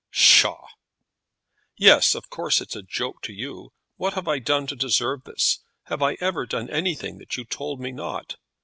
"Psha!" "Yes; of course it's a joke to you. What have I done to deserve this? Have I ever done anything that you told me not?